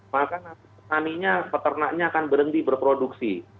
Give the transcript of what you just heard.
maka petaninya peternaknya akan berhenti berproduksi